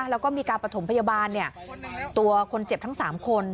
แล้วก็มีการประถมพยาบาลตัวคนเจ็บทั้ง๓คน